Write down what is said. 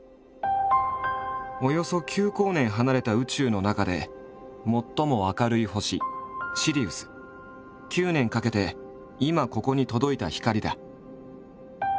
およそ９光年離れた宇宙の中で最も明るい星９年かけて今ここに届いた光だ。